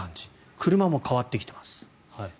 車も変わってきています。